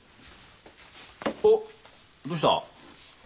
おっどうした？